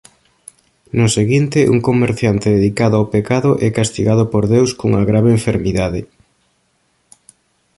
No seguinte un comerciante dedicado ao pecado é castigado por Deus cunha grave enfermidade.